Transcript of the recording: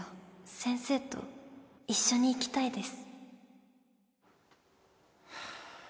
先生と一緒に行きたいです